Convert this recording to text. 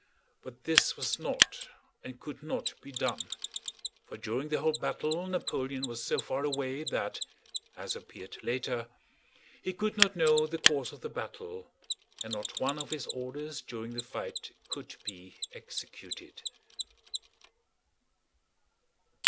But this was not and could not be done, for during the whole battle Napoleon was so far away that, as appeared later, he could not know the course of the battle and not one of his orders during the fight could be executed.